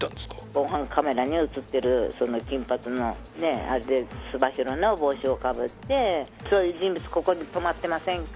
防犯カメラに映っている、その金髪の、つば広の帽子をかぶって、そういう人物、ここに泊まってませんか？